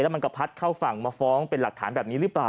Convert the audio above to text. มันก็พัดเข้าฝั่งมาฟ้องเป็นหลักฐานแบบนี้หรือเปล่า